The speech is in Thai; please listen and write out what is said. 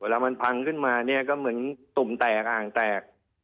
เวลามันพังขึ้นมาเนี่ยก็เหมือนตุ่มแตกอ่างแตก